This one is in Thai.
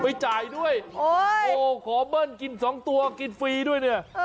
ไม่จ่ายด้วยโอ้โหขอเบิ้ลกินสองตัวกินฟรีด้วยเนี่ย